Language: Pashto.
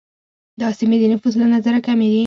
دا سیمې د نفوس له نظره کمي دي.